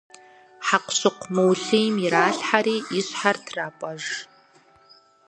Хьэкъущыкъу мыулъийм иралъхьэри и щхьэр трапӏэж.